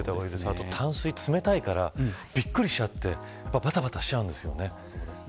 あと淡水は冷たいからびっくりしちゃってばたばたしちゃうんですよね。